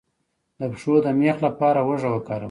د پښو د میخ لپاره هوږه وکاروئ